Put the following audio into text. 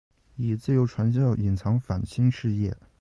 以自由传教隐藏反清事业。